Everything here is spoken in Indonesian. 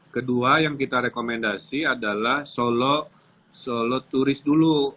kedua yang kita rekomendasi adalah solo turis dulu